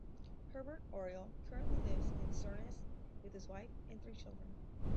Hubert Auriol currently lives in Suresnes with his wife and three children.